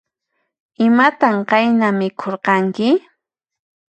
Imatan qayna mikhurqanki?